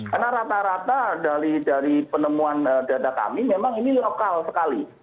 karena rata rata dari penemuan data kami memang ini lokal sekali